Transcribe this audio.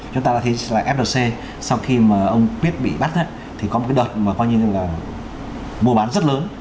chúng ta đã thấy là flc sau khi mà ông quyết bị bắt thì có một cái đợt mà coi như là mua bán rất lớn